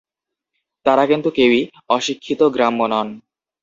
তাঁরা কিন্তু কেউই অশিক্ষিত, গ্রাম্য নন।